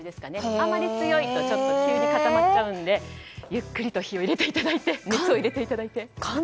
あまり強いと急に固まっちゃうのでゆっくりと火を入れていただいて熱を入れていただいて。